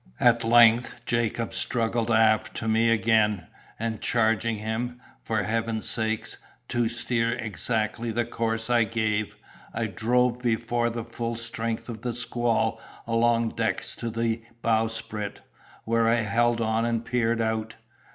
At length Jacobs struggled aft to me again, and charging him, for Heaven's sake, to steer exactly the course I gave, I drove before the full strength of the squall along decks to the bowsprit, where I held on and peered out.